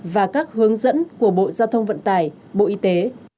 và các hướng dẫn của bộ giao thông vận tải bộ y tế